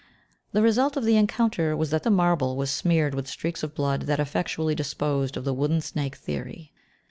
The result of the encounter was that the marble was smeared with streaks of blood that effectually disposed of the wooden snake theory.